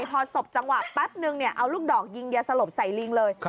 พอศพจังหวะแป๊บนึงเอาลูกดอกยิงยาสลบใส่ลิงเลย